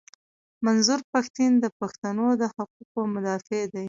منظور پښتین د پښتنو د حقوقو مدافع دي.